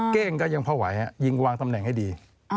เก้งก็ยังพอไหวยิงวางตำแหน่งให้ดี